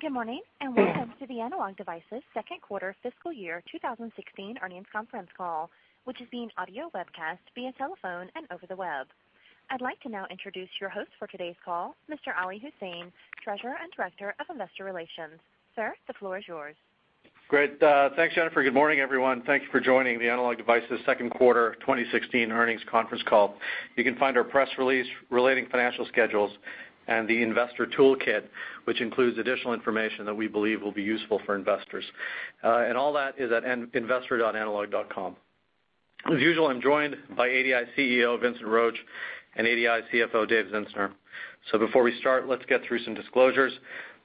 Good morning, and welcome to the Analog Devices second quarter fiscal year 2016 earnings conference call, which is being audio webcast via telephone and over the web. I'd like to now introduce your host for today's call, Mr. Ali Husain, Treasurer and Director of Investor Relations. Sir, the floor is yours. Great. Thanks, Jennifer. Good morning, everyone. Thanks for joining the Analog Devices second quarter 2016 earnings conference call. You can find our press release relating financial schedules and the investor toolkit, which includes additional information that we believe will be useful for investors. All that is at investor.analog.com. As usual, I'm joined by ADI CEO, Vincent Roche, and ADI CFO, David Zinsner. Before we start, let's get through some disclosures.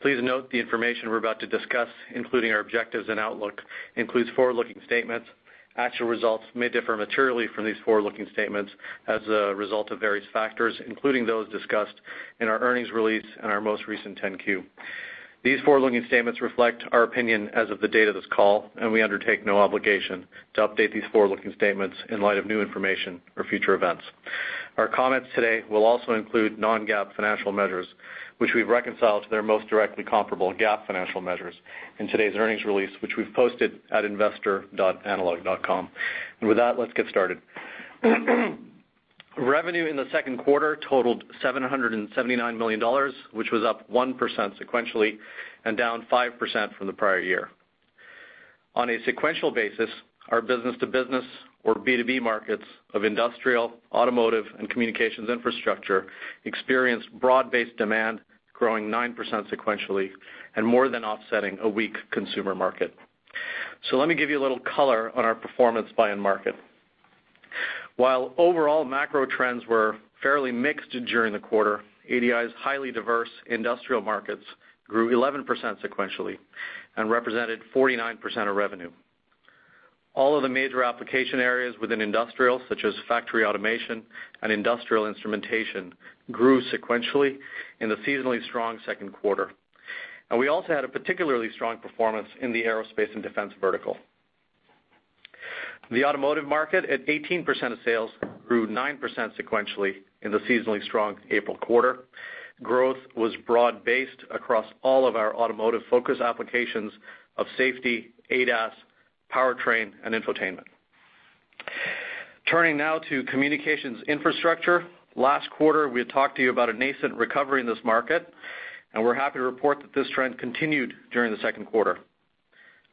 Please note the information we're about to discuss, including our objectives and outlook, includes forward-looking statements. Actual results may differ materially from these forward-looking statements as a result of various factors, including those discussed in our earnings release and our most recent 10-Q. These forward-looking statements reflect our opinion as of the date of this call, and we undertake no obligation to update these forward-looking statements in light of new information or future events. Our comments today will also include non-GAAP financial measures, which we've reconciled to their most directly comparable GAAP financial measures in today's earnings release, which we've posted at investor.analog.com. With that, let's get started. Revenue in the second quarter totaled $779 million, which was up 1% sequentially and down 5% from the prior year. On a sequential basis, our business-to-business, or B2B, markets of industrial, automotive, and communications infrastructure experienced broad-based demand, growing 9% sequentially and more than offsetting a weak consumer market. Let me give you a little color on our performance by end market. While overall macro trends were fairly mixed during the quarter, ADI's highly diverse industrial markets grew 11% sequentially and represented 49% of revenue. All of the major application areas within industrial, such as factory automation and industrial instrumentation, grew sequentially in the seasonally strong second quarter. We also had a particularly strong performance in the aerospace and defense vertical. The automotive market, at 18% of sales, grew 9% sequentially in the seasonally strong April quarter. Growth was broad-based across all of our automotive focus applications of safety, ADAS, powertrain, and infotainment. Turning now to communications infrastructure. Last quarter, we had talked to you about a nascent recovery in this market, and we're happy to report that this trend continued during the second quarter.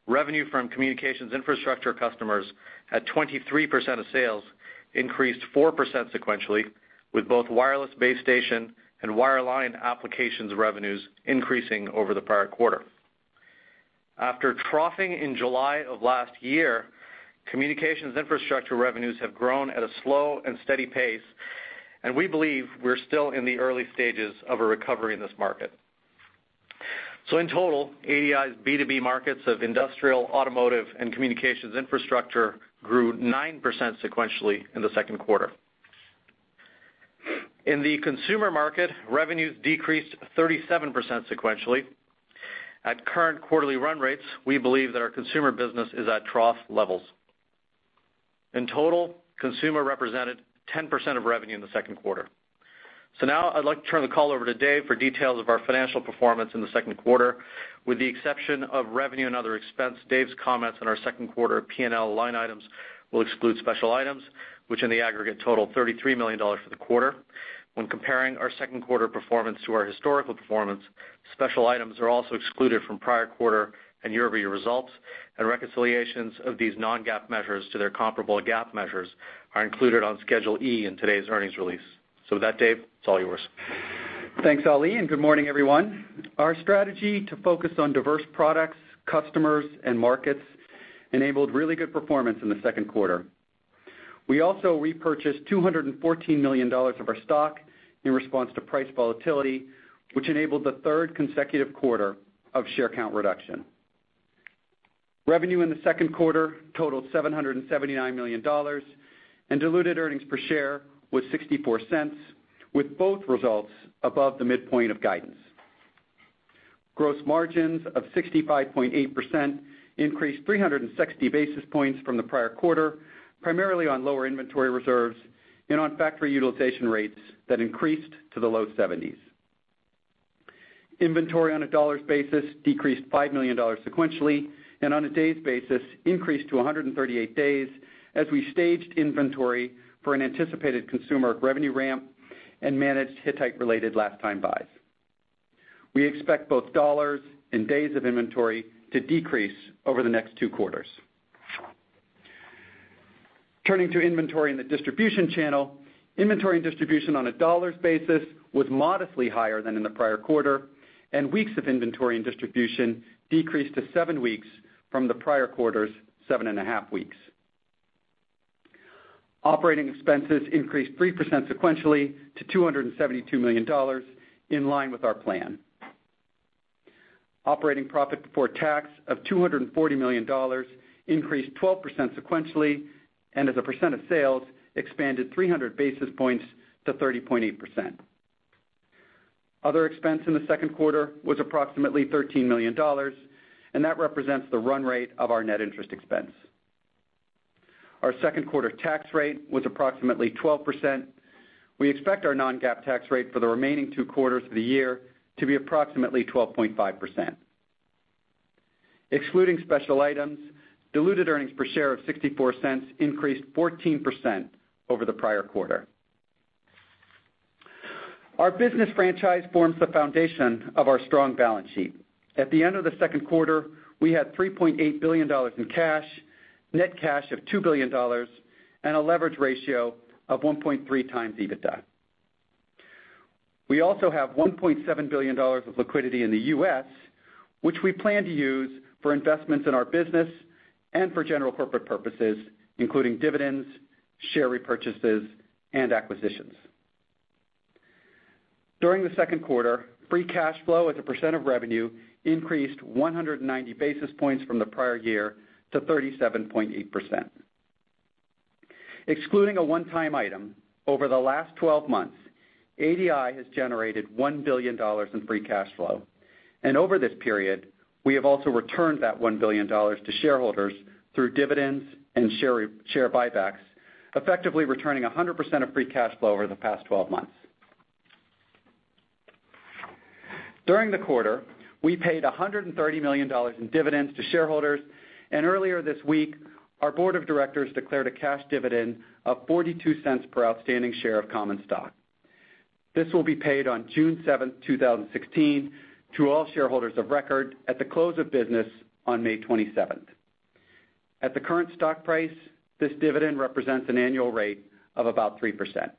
Revenue from communications infrastructure customers, at 23% of sales, increased 4% sequentially with both wireless base station and wireline applications revenues increasing over the prior quarter. After troughing in July of last year, communications infrastructure revenues have grown at a slow and steady pace, and we believe we're still in the early stages of a recovery in this market. In total, ADI's B2B markets of industrial, automotive, and communications infrastructure grew 9% sequentially in the second quarter. In the consumer market, revenues decreased 37% sequentially. At current quarterly run rates, we believe that our consumer business is at trough levels. In total, consumer represented 10% of revenue in the second quarter. Now I'd like to turn the call over to Dave for details of our financial performance in the second quarter. With the exception of revenue and other expense, Dave's comments on our second quarter P&L line items will exclude special items, which in the aggregate total $33 million for the quarter. When comparing our second quarter performance to our historical performance, special items are also excluded from prior quarter and year-over-year results, and reconciliations of these non-GAAP measures to their comparable GAAP measures are included on Schedule E in today's earnings release. With that, Dave, it's all yours. Thanks, Ali, good morning, everyone. Our strategy to focus on diverse products, customers, and markets enabled really good performance in the second quarter. We also repurchased $214 million of our stock in response to price volatility, which enabled the third consecutive quarter of share count reduction. Revenue in the second quarter totaled $779 million, and diluted earnings per share was $0.64, with both results above the midpoint of guidance. Gross margins of 65.8% increased 360 basis points from the prior quarter, primarily on lower inventory reserves and on factory utilization rates that increased to the low 70s. Inventory on a dollars basis decreased $5 million sequentially, and on a days basis, increased to 138 days as we staged inventory for an anticipated consumer revenue ramp and managed Hittite related last time buys. We expect both dollars and days of inventory to decrease over the next two quarters. Turning to inventory in the distribution channel. Inventory and distribution on a dollars basis was modestly higher than in the prior quarter, and weeks of inventory and distribution decreased to seven weeks from the prior quarter's seven and a half weeks. Operating expenses increased 3% sequentially to $272 million, in line with our plan. Operating profit before tax of $240 million increased 12% sequentially, and as a percent of sales, expanded 300 basis points to 30.8%. Other expense in the second quarter was approximately $13 million, and that represents the run rate of our net interest expense. Our second quarter tax rate was approximately 12%. We expect our non-GAAP tax rate for the remaining two quarters of the year to be approximately 12.5%. Excluding special items, diluted earnings per share of $0.64 increased 14% over the prior quarter. Our business franchise forms the foundation of our strong balance sheet. At the end of the second quarter, we had $3.8 billion in cash, net cash of $2 billion, and a leverage ratio of 1.3 times EBITDA. We also have $1.7 billion of liquidity in the U.S., which we plan to use for investments in our business and for general corporate purposes, including dividends, share repurchases, and acquisitions. During the second quarter, free cash flow as a percent of revenue increased 190 basis points from the prior year to 37.8%. Excluding a one-time item, over the last 12 months, ADI has generated $1 billion in free cash flow. Over this period, we have also returned that $1 billion to shareholders through dividends and share buybacks, effectively returning 100% of free cash flow over the past 12 months. During the quarter, we paid $130 million in dividends to shareholders. Earlier this week, our board of directors declared a cash dividend of $0.42 per outstanding share of common stock. This will be paid on June 7th, 2016, to all shareholders of record at the close of business on May 27th. At the current stock price, this dividend represents an annual rate of about 3%.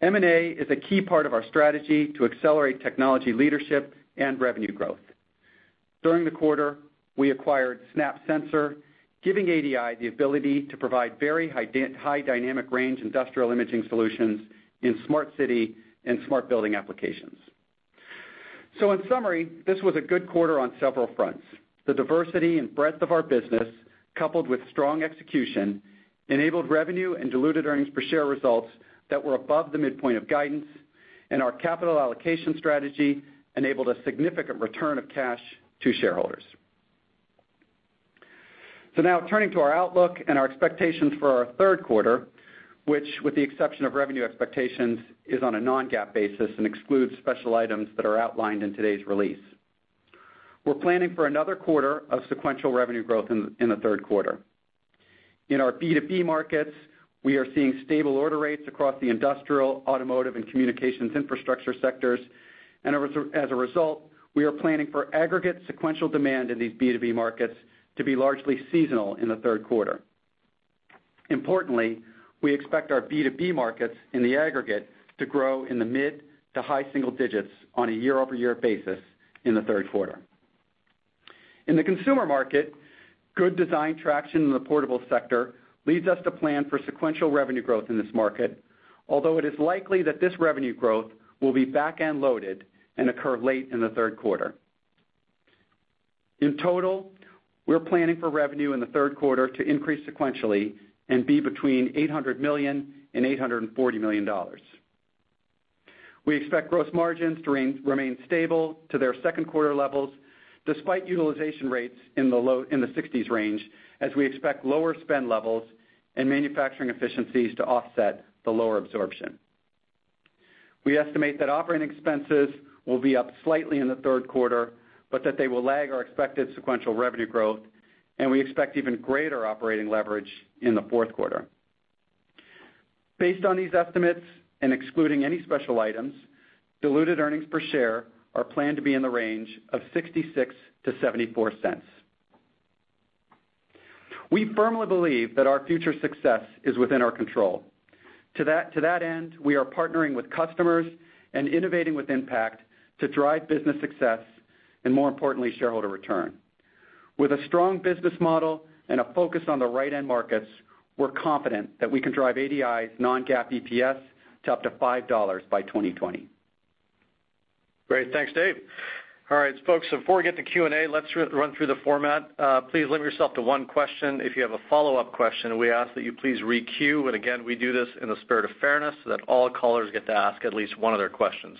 M&A is a key part of our strategy to accelerate technology leadership and revenue growth. During the quarter, we acquired SNAP Sensor, giving ADI the ability to provide very high dynamic range industrial imaging solutions in smart city and smart building applications. In summary, this was a good quarter on several fronts. The diversity and breadth of our business, coupled with strong execution, enabled revenue and diluted earnings per share results that were above the midpoint of guidance and our capital allocation strategy enabled a significant return of cash to shareholders. Now turning to our outlook and our expectations for our third quarter, which with the exception of revenue expectations, is on a non-GAAP basis and excludes special items that are outlined in today's release. We're planning for another quarter of sequential revenue growth in the third quarter. In our B2B markets, we are seeing stable order rates across the industrial, automotive, and communications infrastructure sectors. As a result, we are planning for aggregate sequential demand in these B2B markets to be largely seasonal in the third quarter. Importantly, we expect our B2B markets in the aggregate to grow in the mid to high single digits on a year-over-year basis in the third quarter. In the consumer market, good design traction in the portable sector leads us to plan for sequential revenue growth in this market, although it is likely that this revenue growth will be back-end loaded and occur late in the third quarter. In total, we're planning for revenue in the third quarter to increase sequentially and be between $800 million and $840 million. We expect gross margins to remain stable to their second quarter levels, despite utilization rates in the 60s range, as we expect lower spend levels and manufacturing efficiencies to offset the lower absorption. We estimate that operating expenses will be up slightly in the third quarter, but that they will lag our expected sequential revenue growth. We expect even greater operating leverage in the fourth quarter. Based on these estimates, excluding any special items, diluted earnings per share are planned to be in the range of $0.66-$0.74. We firmly believe that our future success is within our control. To that end, we are partnering with customers and innovating with impact to drive business success and, more importantly, shareholder return. With a strong business model and a focus on the right end markets, we're confident that we can drive ADI's non-GAAP EPS to up to $5 by 2020. Great. Thanks, Dave. All right, folks, before we get to Q&A, let's run through the format. Please limit yourself to one question. If you have a follow-up question, we ask that you please re-queue, and again, we do this in the spirit of fairness so that all callers get to ask at least one of their questions.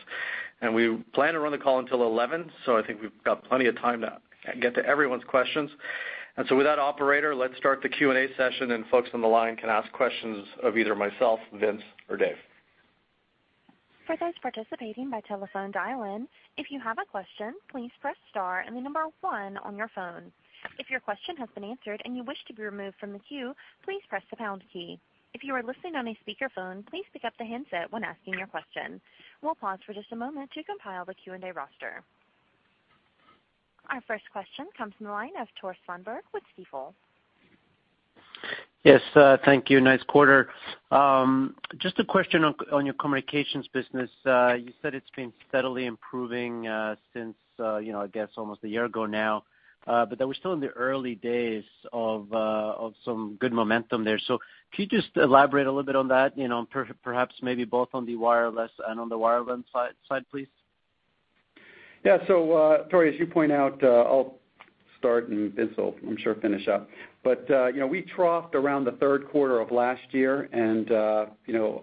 We plan to run the call until 11, so I think we've got plenty of time to get to everyone's questions. With that, operator, let's start the Q&A session, and folks on the line can ask questions of either myself, Vince, or Dave. For those participating by telephone dial-in, if you have a question, please press star and the number one on your phone. If your question has been answered and you wish to be removed from the queue, please press the pound key. If you are listening on a speakerphone, please pick up the handset when asking your question. We'll pause for just a moment to compile the Q&A roster. Our first question comes from the line of Tore Svanberg with Stifel. Yes, thank you. Nice quarter. Just a question on your communications business. You said it's been steadily improving since, I guess almost a year ago now, but that we're still in the early days of some good momentum there. Could you just elaborate a little bit on that, perhaps maybe both on the wireless and on the wireline side, please? Tore, as you point out, I'll start and Vince will, I'm sure, finish up. We troughed around the third quarter of last year.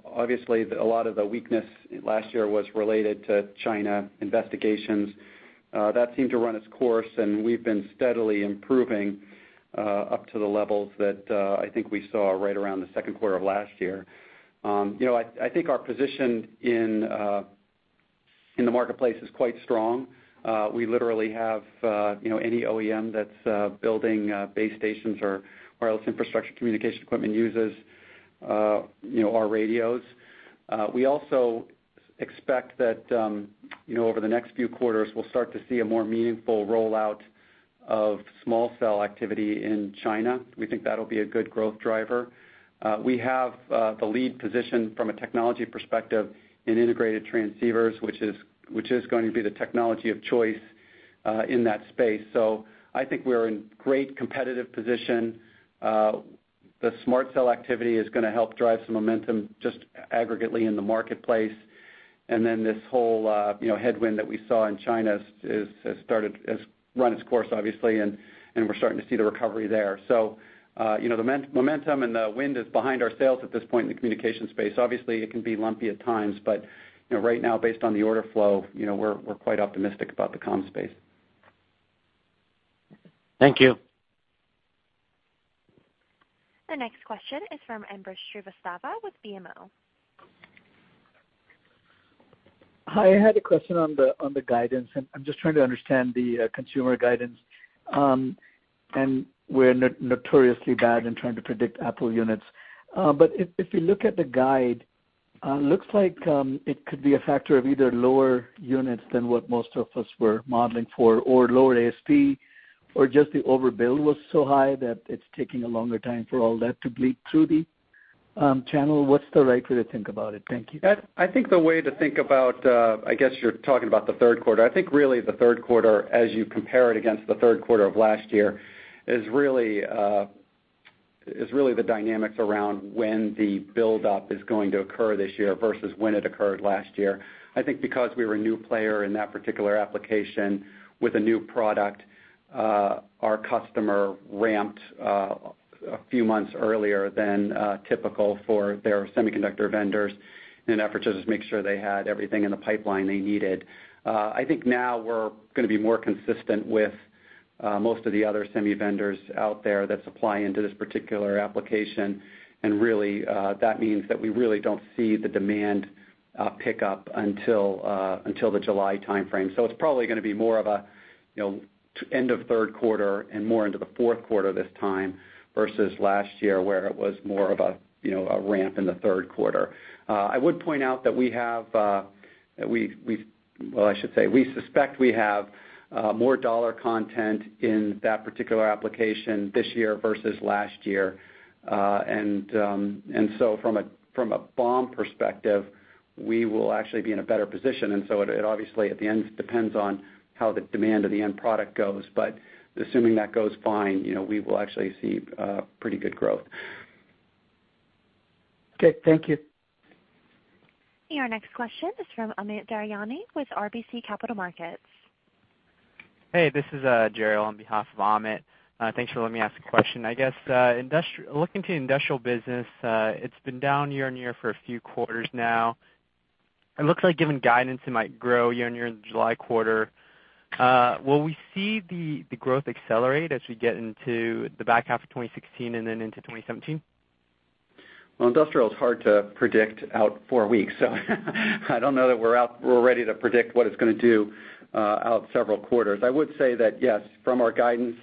Obviously, a lot of the weakness last year was related to China investigations. That seemed to run its course. We've been steadily improving up to the levels that I think we saw right around the second quarter of last year. I think our position in the marketplace is quite strong. We literally have any OEM that's building base stations or wireless infrastructure communication equipment uses our radios. We also expect that over the next few quarters, we'll start to see a more meaningful rollout of small cell activity in China. We think that'll be a good growth driver. We have the lead position from a technology perspective in integrated transceivers, which is going to be the technology of choice in that space. I think we're in great competitive position. The small cell activity is going to help drive some momentum just aggregately in the marketplace. This whole headwind that we saw in China has run its course, obviously, and we're starting to see the recovery there. The momentum and the wind is behind our sails at this point in the communication space. Obviously, it can be lumpy at times, but right now, based on the order flow, we're quite optimistic about the comm space. Thank you. The next question is from Ambrish Srivastava with BMO. Hi, I had a question on the guidance. I'm just trying to understand the consumer guidance. We're notoriously bad in trying to predict Apple units. If you look at the guide, it looks like it could be a factor of either lower units than what most of us were modeling for, or lower ASP, or just the overbuild was so high that it's taking a longer time for all that to bleed through the channel. What's the right way to think about it? Thank you. I think the way to think about, I guess you're talking about the third quarter, I think really the third quarter as you compare it against the third quarter of last year, is really the dynamics around when the buildup is going to occur this year versus when it occurred last year. I think because we were a new player in that particular application with a new product, our customer ramped a few months earlier than typical for their semiconductor vendors in an effort to just make sure they had everything in the pipeline they needed. I think now we're going to be more consistent with most of the other semi vendors out there that supply into this particular application, that means that we really don't see the demand pick up until the July timeframe. It's probably going to be more of end of third quarter and more into the fourth quarter this time, versus last year, where it was more of a ramp in the third quarter. I would point out that we have, well, I should say, we suspect we have more dollar content in that particular application this year versus last year. From a BOM perspective, we will actually be in a better position, it obviously at the end depends on how the demand of the end product goes, but assuming that goes fine, we will actually see pretty good growth. Okay. Thank you. Your next question is from Amit Daryanani with RBC Capital Markets. Hey, this is Gerard on behalf of Amit. Thanks for letting me ask a question. I guess, looking to industrial business, it's been down year-on-year for a few quarters now. It looks like given guidance, it might grow year-on-year in the July quarter. Will we see the growth accelerate as we get into the back half of 2016 and then into 2017? Well, industrial's hard to predict out four weeks, so I don't know that we're ready to predict what it's going to do out several quarters. I would say that, yes, from our guidance,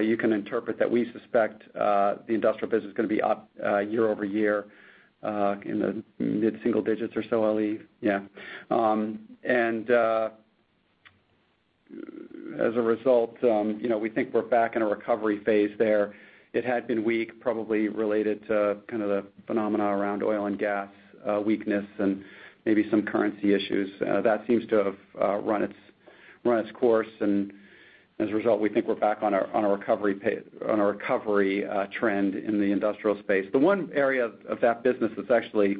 you can interpret that we suspect the industrial business is going to be up year-over-year, in the mid-single digits or so, Ali. Yeah. As a result, we think we're back in a recovery phase there. It had been weak, probably related to kind of the phenomena around oil and gas weakness and maybe some currency issues. That seems to have run its course, and as a result, we think we're back on a recovery trend in the industrial space. The one area of that business that's actually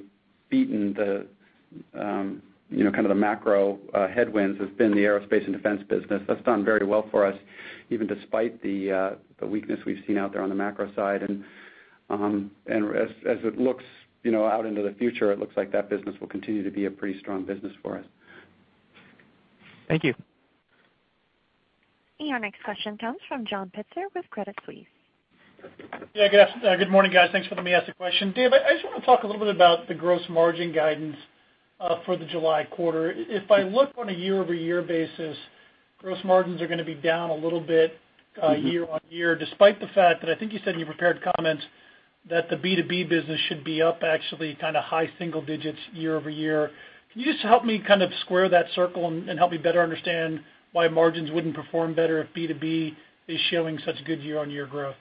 beaten the kind of the macro headwinds has been the aerospace and defense business. That's done very well for us, even despite the weakness we've seen out there on the macro side. As it looks out into the future, it looks like that business will continue to be a pretty strong business for us. Thank you. Your next question comes from John Pitzer with Credit Suisse. Yeah. Good morning, guys. Thanks for letting me ask a question. Dave, I just want to talk a little bit about the gross margin guidance for the July quarter. If I look on a year-over-year basis, gross margins are going to be down a little bit year-on-year, despite the fact that I think you said in your prepared comments that the B2B business should be up actually kind of high single digits year-over-year. Can you just help me kind of square that circle and help me better understand why margins wouldn't perform better if B2B is showing such good year-on-year growth?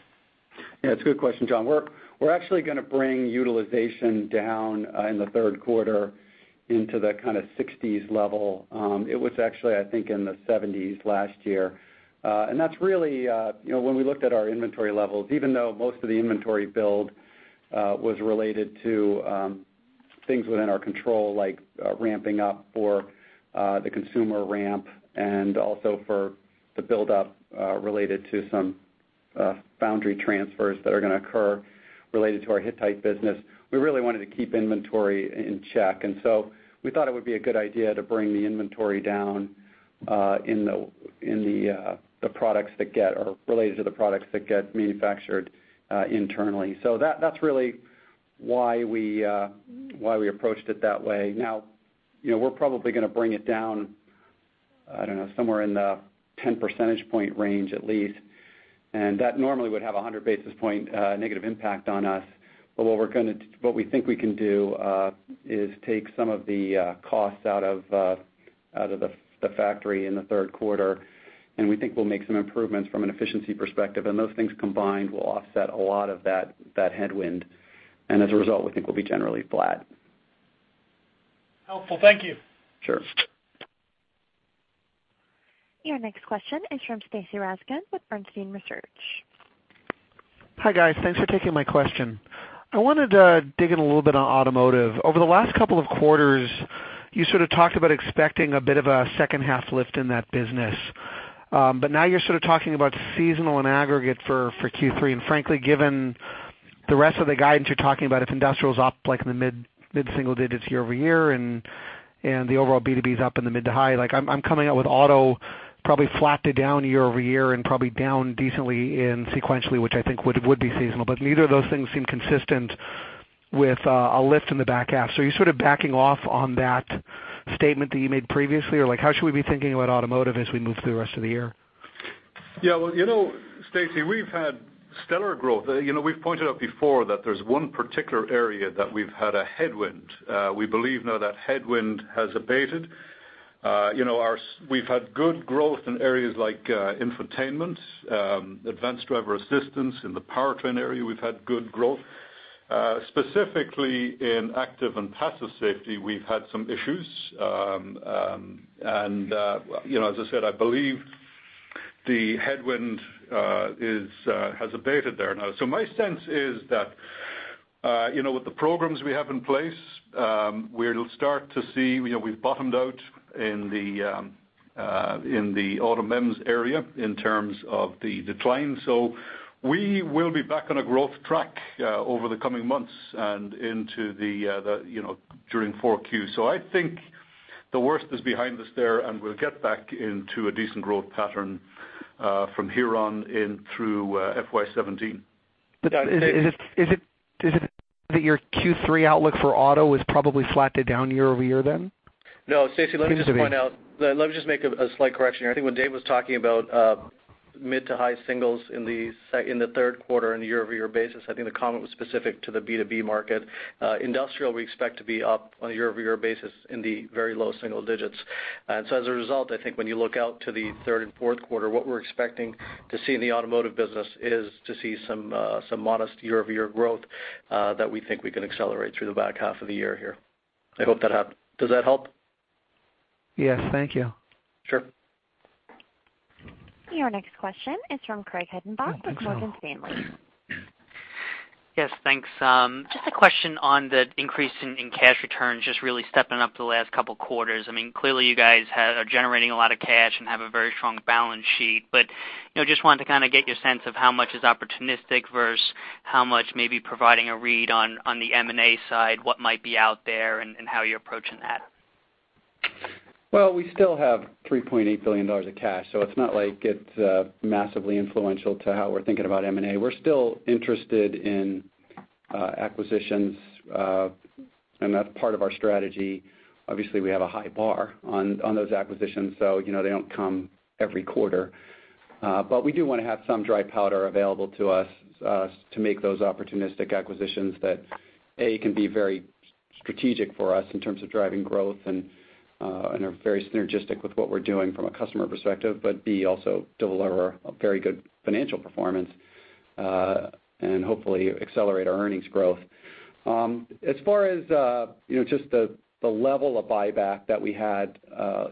Yeah, it's a good question, John. We're actually going to bring utilization down in the third quarter into the kind of 60s level. It was actually, I think, in the 70s last year. That's really when we looked at our inventory levels, even though most of the inventory build was related to things within our control, like ramping up for the consumer ramp and also for the buildup related to some foundry transfers that are going to occur related to our Hittite business, we really wanted to keep inventory in check. So we thought it would be a good idea to bring the inventory down in the products that get, or related to the products that get manufactured internally. That's really why we approached it that way. Now, we're probably going to bring it down I don't know, somewhere in the 10 percentage point range at least. That normally would have 100 basis point negative impact on us. What we think we can do is take some of the costs out of the factory in the third quarter, and we think we'll make some improvements from an efficiency perspective. Those things combined will offset a lot of that headwind. As a result, we think we'll be generally flat. Helpful. Thank you. Sure. Your next question is from Stacy Rasgon with Bernstein Research. Hi, guys. Thanks for taking my question. I wanted to dig in a little bit on automotive. Over the last couple of quarters, you sort of talked about expecting a bit of a second half lift in that business. Now you're sort of talking about seasonal and aggregate for Q3. Frankly, given the rest of the guidance you're talking about, if industrial's up like in the mid-single digits year-over-year and the overall B2B's up in the mid to high, I'm coming out with auto probably flat to down year-over-year and probably down decently in sequentially, which I think would be seasonal. Neither of those things seem consistent with a lift in the back half. Are you sort of backing off on that statement that you made previously, or how should we be thinking about automotive as we move through the rest of the year? Stacy, we've had stellar growth. We've pointed out before that there's one particular area that we've had a headwind. We believe now that headwind has abated. We've had good growth in areas like infotainment, advanced driver assistance. In the powertrain area, we've had good growth. Specifically in active and passive safety, we've had some issues. As I said, I believe the headwind has abated there now. My sense is that with the programs we have in place, we'll start to see we've bottomed out in the auto MEMS area in terms of the decline. We will be back on a growth track over the coming months and during 4Q. I think the worst is behind us there, and we'll get back into a decent growth pattern from here on in through FY 2017. Is it that your Q3 outlook for auto is probably flat to down year-over-year then? No, Stacy, let me just make a slight correction here. I think when Dave was talking about mid to high singles in the third quarter on a year-over-year basis, I think the comment was specific to the B2B market. Industrial, we expect to be up on a year-over-year basis in the very low single digits. As a result, I think when you look out to the third and fourth quarter, what we're expecting to see in the automotive business is to see some modest year-over-year growth that we think we can accelerate through the back half of the year here. Does that help? Yes. Thank you. Sure. Your next question is from Craig Hettenbach with Morgan Stanley. Yes, thanks. Just a question on the increase in cash returns just really stepping up the last couple of quarters. Clearly, you guys are generating a lot of cash and have a very strong balance sheet, but just wanted to kind of get your sense of how much is opportunistic versus how much may be providing a read on the M&A side, what might be out there and how you're approaching that. We still have $3.8 billion of cash, so it's not like it's massively influential to how we're thinking about M&A. We're still interested in acquisitions, and that's part of our strategy. Obviously, we have a high bar on those acquisitions, so they don't come every quarter. We do want to have some dry powder available to us to make those opportunistic acquisitions that, A, can be very strategic for us in terms of driving growth and are very synergistic with what we're doing from a customer perspective. B, also deliver a very good financial performance, and hopefully accelerate our earnings growth. As far as just the level of buyback that we had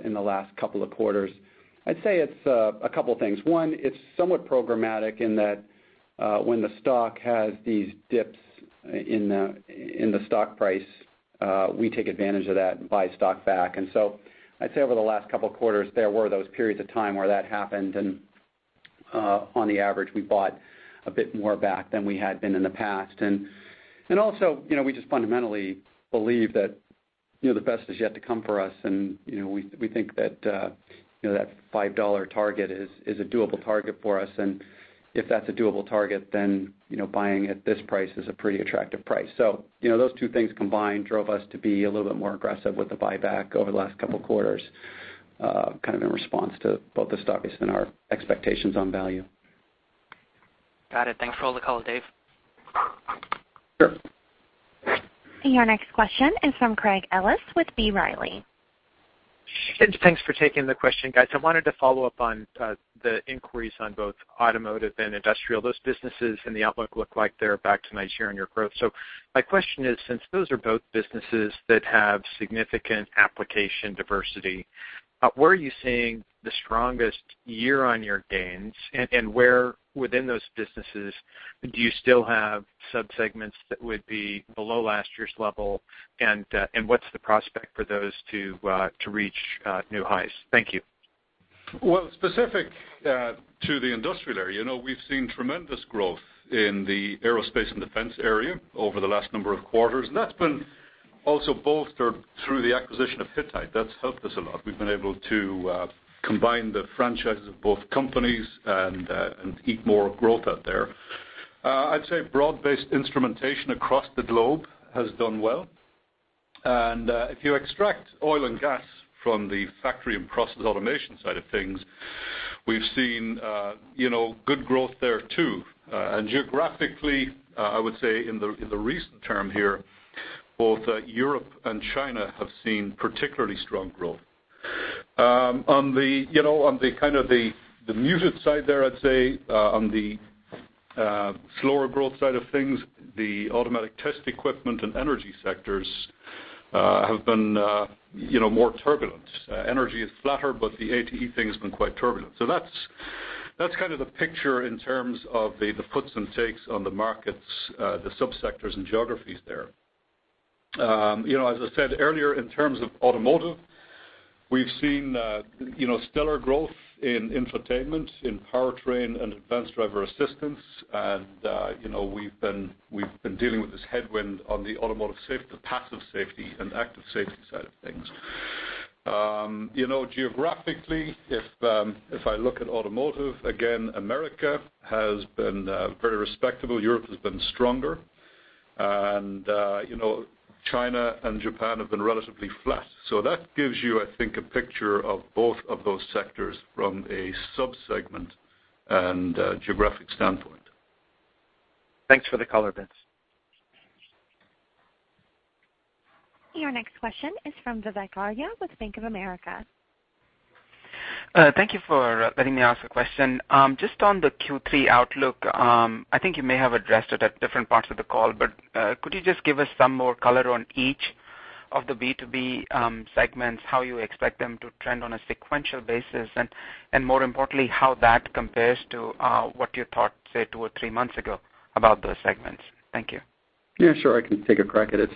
in the last couple of quarters, I'd say it's a couple things. One, it's somewhat programmatic in that when the stock has these dips in the stock price, we take advantage of that and buy stock back. I'd say over the last couple of quarters, there were those periods of time where that happened and on the average, we bought a bit more back than we had been in the past. Also, we just fundamentally believe that the best is yet to come for us, and we think that $5 target is a doable target for us. If that's a doable target, then buying at this price is a pretty attractive price. Those two things combined drove us to be a little bit more aggressive with the buyback over the last couple of quarters, kind of in response to both the stock and our expectations on value. Got it. Thanks for holding the call, Dave. Sure. Your next question is from Craig Ellis with B. Riley. Thanks for taking the question, guys. I wanted to follow up on the inquiries on both automotive and industrial. Those businesses and the outlook look like they're back to nice year-on-year growth. My question is, since those are both businesses that have significant application diversity, where are you seeing the strongest year-on-year gains, and where within those businesses do you still have sub-segments that would be below last year's level? What's the prospect for those to reach new highs? Thank you. Well, specific to the industrial area, we've seen tremendous growth in the aerospace and defense area over the last number of quarters. That's been also bolstered through the acquisition of Hittite. That's helped us a lot. We've been able to combine the franchises of both companies and eke more growth out there. I'd say broad-based instrumentation across the globe has done well. If you extract oil and gas from the factory and process automation side of things, we've seen good growth there too. Geographically, I would say in the recent term here, both Europe and China have seen particularly strong growth. On the muted side there, I'd say, on the slower growth side of things, the automatic test equipment and energy sectors have been more turbulent. Energy is flatter, but the ATE thing has been quite turbulent. That's the picture in terms of the puts and takes on the markets, the sub-sectors, and geographies there. As I said earlier, in terms of automotive, we've seen stellar growth in infotainment, in powertrain, and advanced driver assistance. We've been dealing with this headwind on the automotive safety, the passive safety, and active safety side of things. Geographically, if I look at automotive, again, America has been very respectable. Europe has been stronger. China and Japan have been relatively flat. That gives you, I think, a picture of both of those sectors from a sub-segment and geographic standpoint. Thanks for the color, Vince. Your next question is from Vivek Arya with Bank of America. Thank you for letting me ask a question. Just on the Q3 outlook, I think you may have addressed it at different parts of the call, but could you just give us some more color on each of the B2B segments, how you expect them to trend on a sequential basis, and more importantly, how that compares to what you thought, say, two or three months ago about those segments? Thank you. Yeah, sure. I can take a crack at it.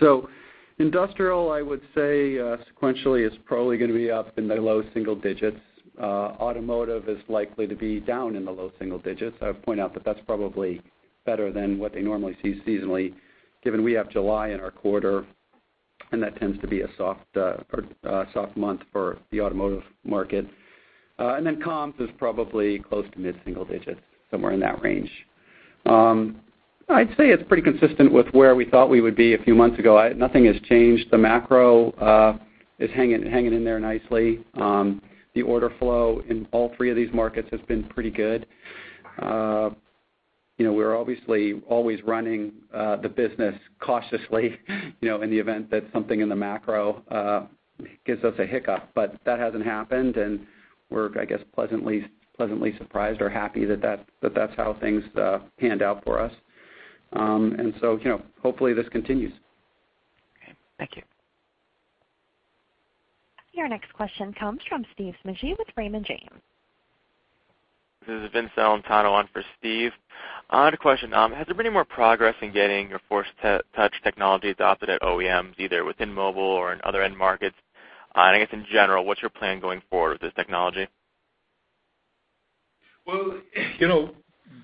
Industrial, I would say sequentially is probably going to be up in the low single digits. Automotive is likely to be down in the low single digits. I would point out that that's probably better than what they normally see seasonally, given we have July in our quarter, and that tends to be a soft month for the automotive market. Comms is probably close to mid-single digits, somewhere in that range. I'd say it's pretty consistent with where we thought we would be a few months ago. Nothing has changed. The macro is hanging in there nicely. The order flow in all three of these markets has been pretty good. We're obviously always running the business cautiously, in the event that something in the macro gives us a hiccup. That hasn't happened, and we're, I guess, pleasantly surprised or happy that that's how things panned out for us. Hopefully this continues. Okay. Thank you. Your next question comes from Steve Smigie with Raymond James. This is Vincent Celentano on for Steve. I had a question. Has there been any more progress in getting your Force Touch technology adopted at OEMs, either within mobile or in other end markets? I guess in general, what's your plan going forward with this technology? Well,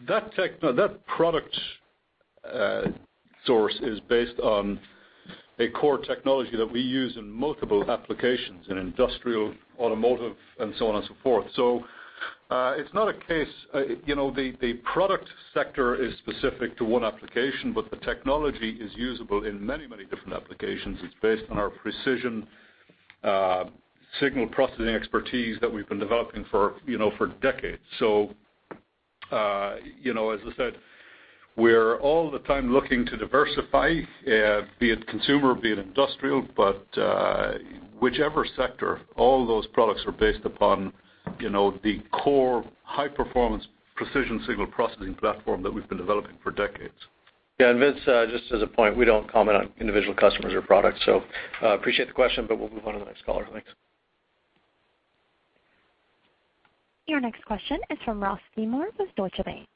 that product source is based on a core technology that we use in multiple applications, in industrial, automotive, and so on and so forth. The product sector is specific to one application, but the technology is usable in many different applications. It's based on our precision signal processing expertise that we've been developing for decades. As I said, we're all the time looking to diversify, be it consumer, be it industrial. Whichever sector, all those products are based upon the core high-performance precision signal processing platform that we've been developing for decades. Yeah, Vince, just as a point, we don't comment on individual customers or products. Appreciate the question, we'll move on to the next caller. Thanks. Your next question is from Ross Seymore with Deutsche Bank.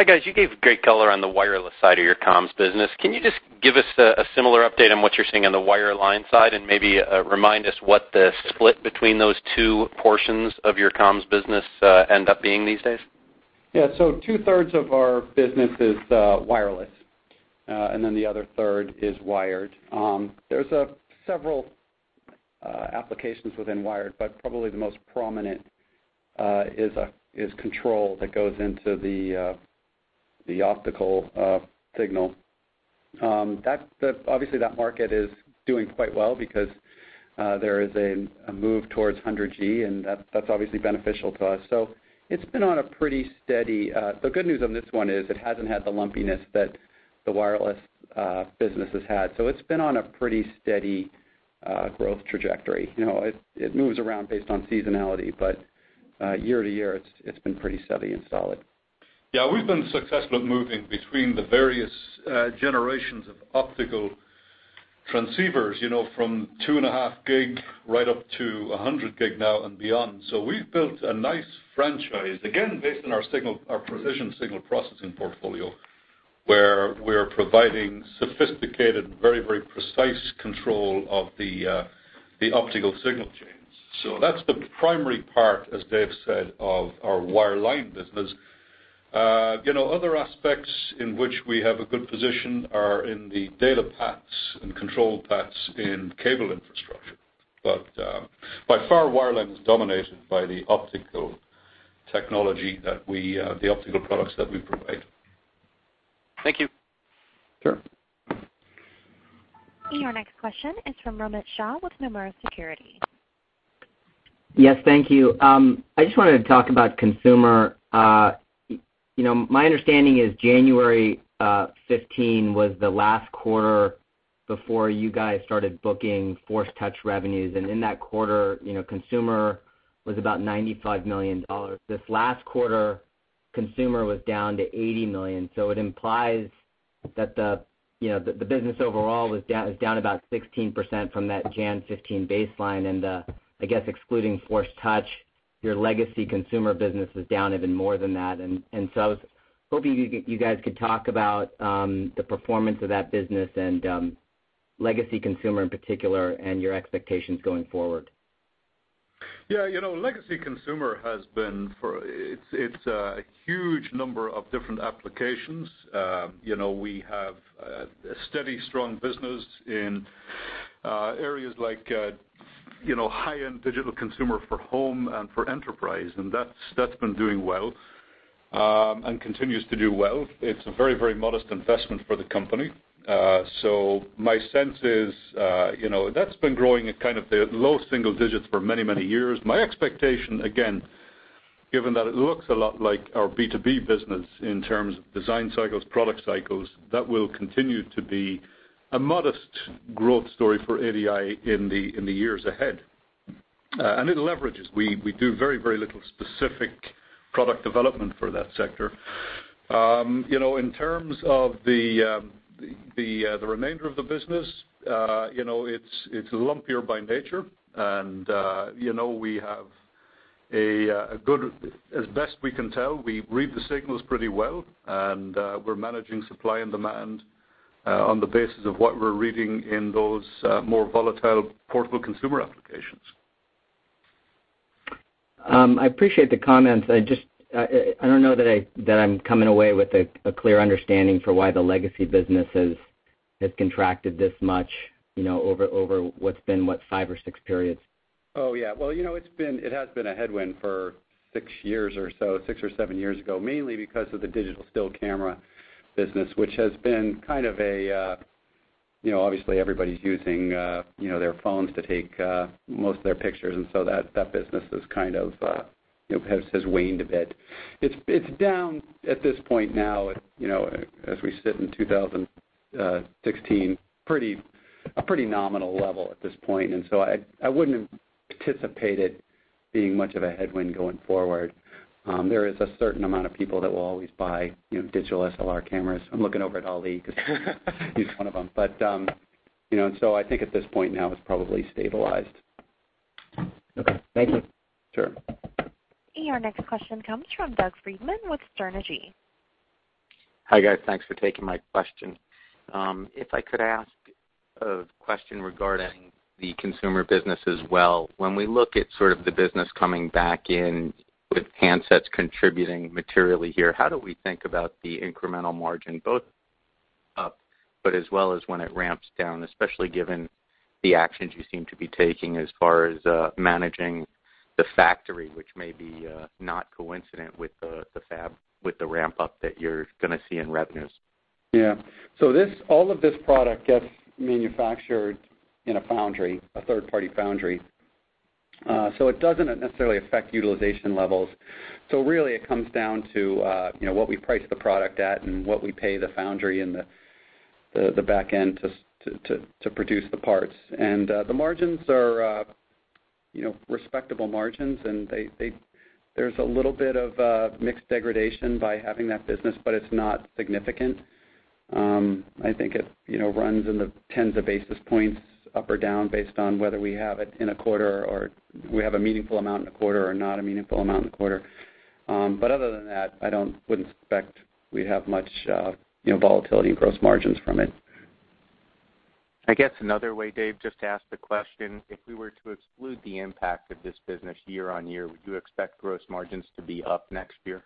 Hi, guys. You gave great color on the wireless side of your comms business. Can you just give us a similar update on what you're seeing on the wireline side and maybe remind us what the split between those two portions of your comms business end up being these days? Yeah. Two-thirds of our business is wireless, and then the other third is wired. There's several applications within wired, but probably the most prominent is control that goes into the optical signal. Obviously, that market is doing quite well because there is a move towards 100G, and that's obviously beneficial to us. The good news on this one is it hasn't had the lumpiness that the wireless business has had. It's been on a pretty steady growth trajectory. It moves around based on seasonality, but year to year, it's been pretty steady and solid. Yeah, we've been successful at moving between the various generations of optical transceivers from two and a half gig right up to 100 gig now and beyond. We've built a nice franchise, again, based on our precision signal processing portfolio, where we're providing sophisticated, very precise control of the optical signal chains. That's the primary part, as Dave said, of our wireline business. Other aspects in which we have a good position are in the data paths and control paths in cable infrastructure. By far, wireline is dominated by the optical technology, the optical products that we provide. Thank you. Sure. Your next question is from Romit Shah with Nomura Securities. Yes. Thank you. I just wanted to talk about consumer. My understanding is January 2015 was the last quarter before you guys started booking Force Touch revenues, and in that quarter, consumer was about $95 million. This last quarter, consumer was down to $80 million. It implies that the business overall is down about 16% from that January 2015 baseline, and I guess excluding Force Touch, your legacy consumer business was down even more than that. I was hoping you guys could talk about the performance of that business and legacy consumer in particular, and your expectations going forward. Yeah. Legacy consumer, it's a huge number of different applications. We have a steady strong business in areas like high-end digital consumer for home and for enterprise, that's been doing well and continues to do well. It's a very modest investment for the company. My sense is, that's been growing at kind of the low single digits for many years. My expectation, again, given that it looks a lot like our B2B business in terms of design cycles, product cycles, that will continue to be a modest growth story for ADI in the years ahead. It leverages. We do very little specific product development for that sector. In terms of the remainder of the business, it's lumpier by nature and as best we can tell, we read the signals pretty well, and we're managing supply and demand, on the basis of what we're reading in those more volatile portable consumer applications. I appreciate the comments. I don't know that I'm coming away with a clear understanding for why the legacy business has contracted this much, over what's been what, five or six periods. Well, it has been a headwind for six years or so, six or seven years ago, mainly because of the digital still camera business, which has been Obviously, everybody's using their phones to take most of their pictures, that business has waned a bit. It's down at this point now, as we sit in 2016, a pretty nominal level at this point. I wouldn't have anticipated being much of a headwind going forward. There is a certain amount of people that will always buy digital SLR cameras. I'm looking over at Ali because he's one of them. I think at this point now it's probably stabilized. Okay. Thank you. Sure. Your next question comes from Doug Freedman with Sterne Agee. Hi, guys. Thanks for taking my question. If I could ask a question regarding the consumer business as well. When we look at sort of the business coming back in with handsets contributing materially here, how do we think about the incremental margin both up, but as well as when it ramps down, especially given the actions you seem to be taking as far as managing the factory, which may be not coincident with the fab, with the ramp-up that you're going to see in revenues? Yeah. All of this product gets manufactured in a foundry, a third-party foundry. It doesn't necessarily affect utilization levels. Really it comes down to what we price the product at and what we pay the foundry and the back end to produce the parts. The margins are respectable margins, and there's a little bit of mixed degradation by having that business, but it's not significant. I think it runs in the tens of basis points up or down based on whether we have it in a quarter, or we have a meaningful amount in a quarter or not a meaningful amount in a quarter. Other than that, I wouldn't expect we'd have much volatility in gross margins from it. I guess another way, Dave, just to ask the question, if we were to exclude the impact of this business year-on-year, would you expect gross margins to be up next year?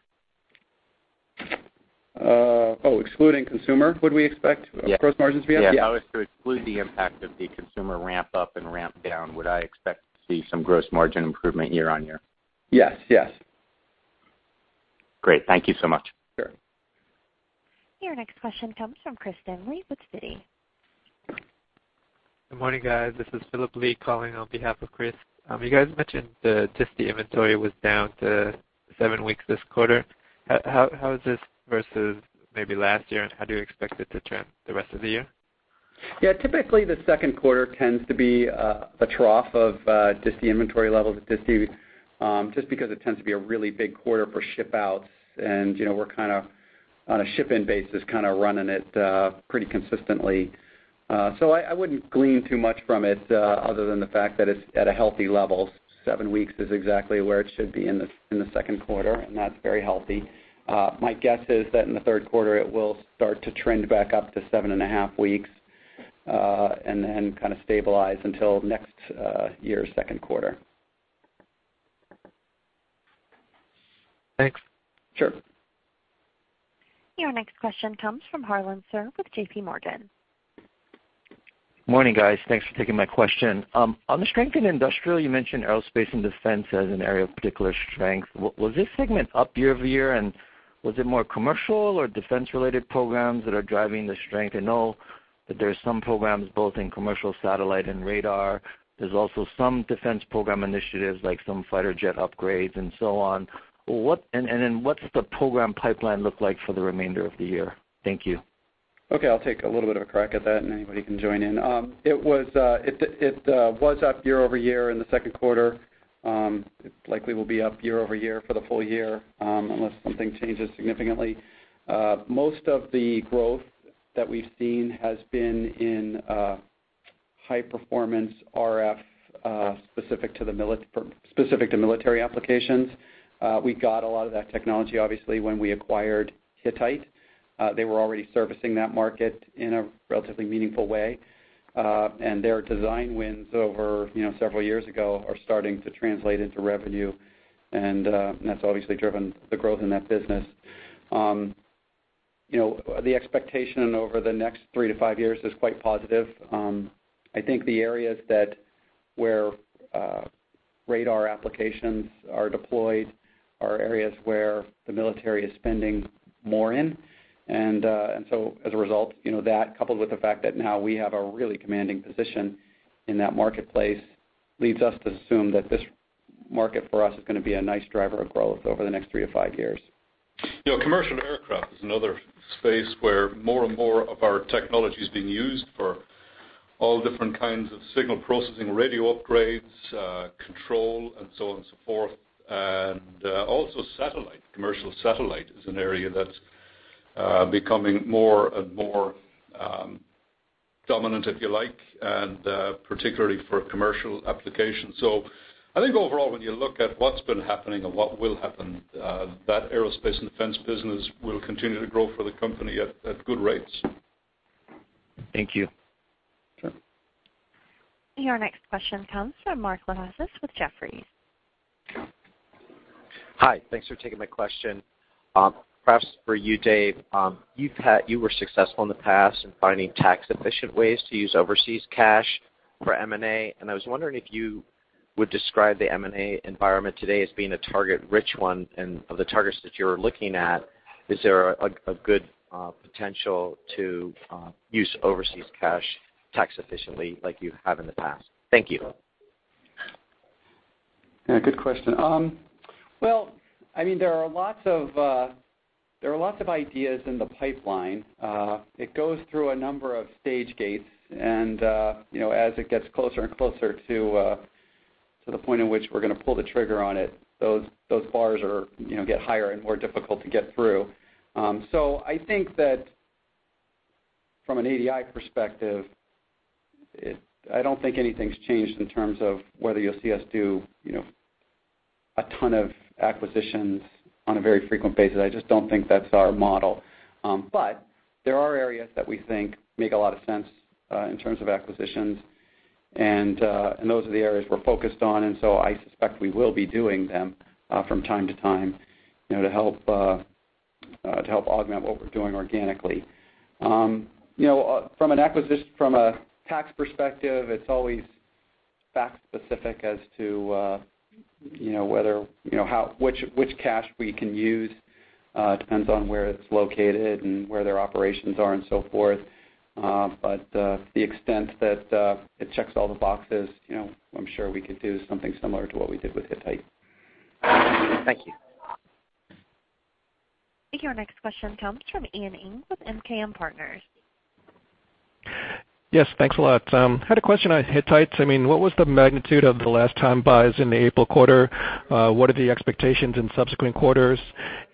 Excluding consumer, would we expect? Yeah Gross margins to be up? Yeah. If I was to exclude the impact of the consumer ramp-up and ramp down, would I expect to see some gross margin improvement year on year? Yes. Great. Thank you so much. Sure. Your next question comes from Christopher Danely with Citi. Good morning, guys. This is Philip Lee calling on behalf of Chris. You guys mentioned the DISTI inventory was down to seven weeks this quarter. How is this versus maybe last year, and how do you expect it to trend the rest of the year? Yeah. Typically, the second quarter tends to be a trough of DISTI inventory levels at DISTI, just because it tends to be a really big quarter for ship-outs and we're on a ship-in basis, kind of running it pretty consistently. I wouldn't glean too much from it, other than the fact that it's at a healthy level. Seven weeks is exactly where it should be in the second quarter, and that's very healthy. My guess is that in the third quarter, it will start to trend back up to seven and a half weeks, and then kind of stabilize until next year's second quarter. Thanks. Sure. Your next question comes from Harlan Sur with J.P. Morgan. Morning, guys. Thanks for taking my question. On the strength in industrial, you mentioned Aerospace and Defense as an area of particular strength. Was this segment up year-over-year and was it more commercial or defense-related programs that are driving the strength? I know that there's some programs both in commercial satellite and radar. There's also some defense program initiatives, like some fighter jet upgrades and so on. What's the program pipeline look like for the remainder of the year? Thank you. Okay, I'll take a little bit of a crack at that, and anybody can join in. It was up year-over-year in the second quarter. It likely will be up year-over-year for the full year, unless something changes significantly. Most of the growth that we've seen has been in high-performance RF, specific to military applications. We got a lot of that technology, obviously, when we acquired Hittite. They were already servicing that market in a relatively meaningful way. Their design wins over several years ago are starting to translate into revenue, and that's obviously driven the growth in that business. The expectation over the next three to five years is quite positive. I think the areas where radar applications are deployed are areas where the military is spending more in. As a result, that coupled with the fact that now we have a really commanding position in that marketplace, leads us to assume that this market for us is going to be a nice driver of growth over the next three to five years. Commercial aircraft is another space where more and more of our technology's being used for all different kinds of signal processing, radio upgrades, control, and so on and so forth. Also satellite. Commercial satellite is an area that's becoming more and more dominant, if you like, and particularly for commercial applications. I think overall, when you look at what's been happening and what will happen, that Aerospace and Defense business will continue to grow for the company at good rates. Thank you. Sure. Your next question comes from Mark Lipacis with Jefferies. Hi, thanks for taking my question. Perhaps for you, Dave. You were successful in the past in finding tax-efficient ways to use overseas cash for M&A, and I was wondering if you would describe the M&A environment today as being a target-rich one. Of the targets that you're looking at, is there a good potential to use overseas cash tax efficiently like you have in the past? Thank you. Yeah, good question. Well, there are lots of ideas in the pipeline. It goes through a number of stage gates and as it gets closer and closer to the point at which we're going to pull the trigger on it, those bars get higher and more difficult to get through. I think that from an ADI perspective, I don't think anything's changed in terms of whether you'll see us do a ton of acquisitions on a very frequent basis. I just don't think that's our model. There are areas that we think make a lot of sense in terms of acquisitions, and those are the areas we're focused on. I suspect we will be doing them from time to time to help augment what we're doing organically. From a tax perspective, it's always fact-specific as to which cash we can use. Depends on where it's located and where their operations are and so forth. To the extent that it checks all the boxes, I'm sure we could do something similar to what we did with Hittite. Thank you. I think our next question comes from Ian Ing with MKM Partners. Yes, thanks a lot. Had a question on Hittite. What was the magnitude of the last time buys in the April quarter? What are the expectations in subsequent quarters?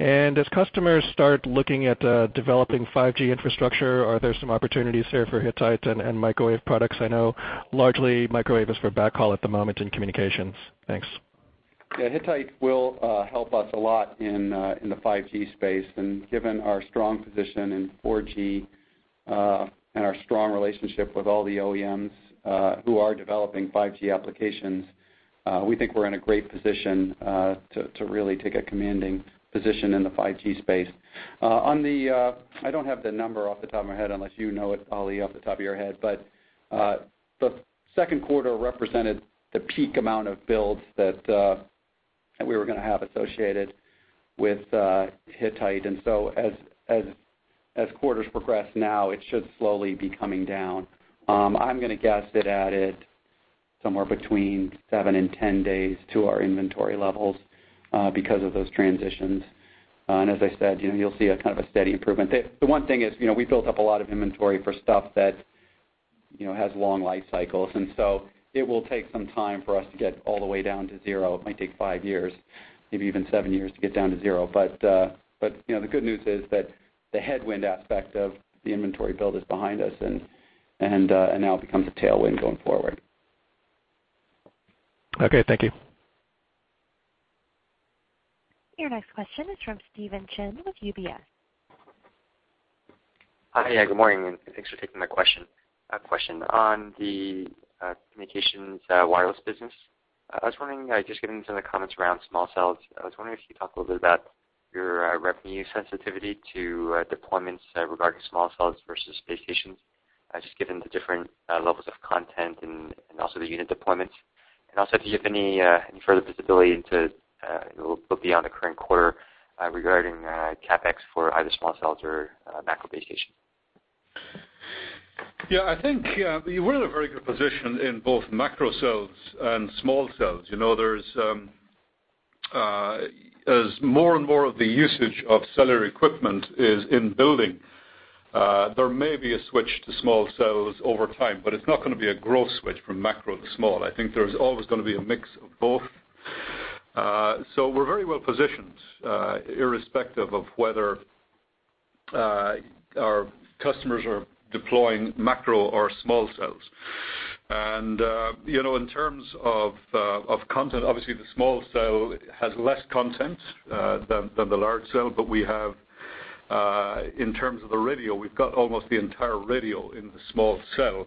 As customers start looking at developing 5G infrastructure, are there some opportunities there for Hittite and microwave products? I know largely microwave is for backhaul at the moment in communications. Thanks. Yeah, Hittite will help us a lot in the 5G space. Given our strong position in 4G and our strong relationship with all the OEMs who are developing 5G applications, we think we're in a great position to really take a commanding position in the 5G space. I don't have the number off the top of my head, unless you know it, Ali, off the top of your head. The 2Q represented the peak amount of builds that we were going to have associated with Hittite. So as quarters progress now, it should slowly be coming down. I'm going to guess that added somewhere between seven and 10 days to our inventory levels because of those transitions. As I said, you'll see a kind of a steady improvement. The one thing is we built up a lot of inventory for stuff that has long life cycles, and so it will take some time for us to get all the way down to zero. It might take five years, maybe even seven years to get down to zero. The good news is that the headwind aspect of the inventory build is behind us, and now it becomes a tailwind going forward. Okay, thank you. Your next question is from Steven Chen with UBS. Hi. Good morning, and thanks for taking my question. A question on the communications wireless business. Just getting into the comments around small cells, I was wondering if you could talk a little bit about your revenue sensitivity to deployments regarding small cells versus base stations, just given the different levels of content and also the unit deployments. Also, do you have any further visibility into, it will be on the current quarter, regarding CapEx for either small cells or macro base station? Yeah, I think we're in a very good position in both macro cells and small cells. As more and more of the usage of cellular equipment is in building, there may be a switch to small cells over time, but it's not going to be a growth switch from macro to small. I think there's always going to be a mix of both. We're very well positioned, irrespective of whether our customers are deploying macro or small cells. In terms of content, obviously, the small cell has less content than the large cell, but in terms of the radio, we've got almost the entire radio in the small cell,